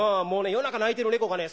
夜中鳴いてる猫がね